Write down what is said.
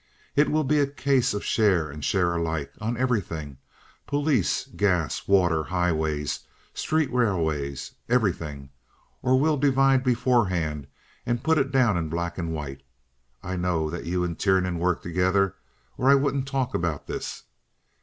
It will be a case of share and share alike on everything—police, gas, water, highways, street railways, everything—or we'll divide beforehand and put it down in black and white. I know that you and Tiernan work together, or I wouldn't talk about this.